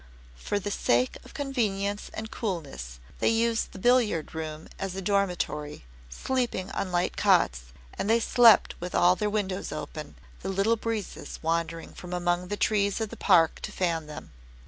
For the sake of convenience and coolness they used the billiard room as a dormitory, sleeping on light cots, and they slept with all their windows open, the little breezes wandering from among the trees of the Park to fan them.